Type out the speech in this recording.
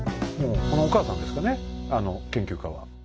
このお母さんですかねあの研究家は。